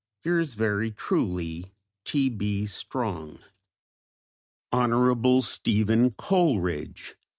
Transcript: Yours very truly, T. B. STRONG. HON. STEPHEN COLERIDGE.